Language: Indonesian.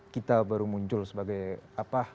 kita baru muncul sebagai apa